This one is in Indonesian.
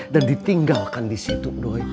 dan ditinggalkan di situ doi